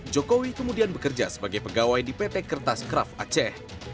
jokowi kemudian bekerja sebagai pegawai di pt kertas kraft aceh